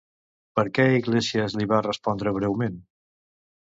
Per què Iglesias li va respondre breument?